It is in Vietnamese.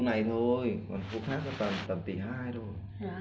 ờ cái tòa này là khoảng cuối hai nghìn hai mươi hai bán hết mềm mềm là giảm sổ được